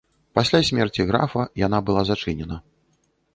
Пасля смерці графа яна была зачынена.